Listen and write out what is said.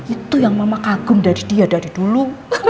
itu yang mama kagum dari dia dari dulu